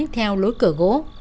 theo lối cửa gỗ